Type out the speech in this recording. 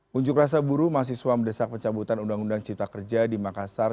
kunjuk rasa buruh mahasiswa mendesak pencabutan undang undang cipta kerja di makassar